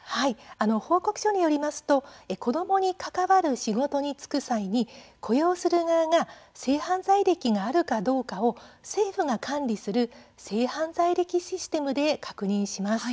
報告書によりますと子どもに関わる仕事に就く際に雇用する側が性犯罪歴があるかどうかを政府が管理する性犯罪歴システムで確認します。